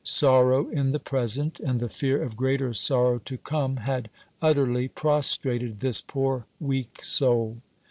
Sorrow in the present, and the fear of greater sorrow to come, had utterly prostrated this poor weak soul.